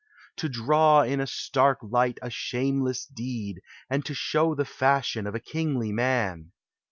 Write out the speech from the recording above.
To draw in a stark light a shameless deed, And show tin; fashion of a kingly man